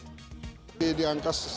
ketika perusahaan mencari minyak goreng